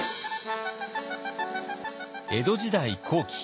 江戸時代後期。